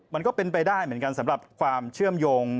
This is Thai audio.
มันก็เป็นไปได้เหมือนกันสำหรับความเชื่อมโยง